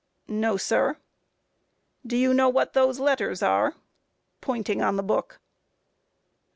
A. No, sir. Q. Do you know what those letters are? [Pointing on the book.